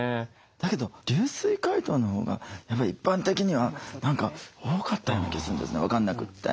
だけど流水解凍のほうがやっぱり一般的には何か多かったような気するんですね分かんなくて。